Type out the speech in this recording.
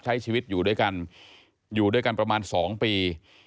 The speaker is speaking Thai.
ใช้ชีวิตอยู่ด้วยกันอยู่ด้วยกันประมาณ๒ปี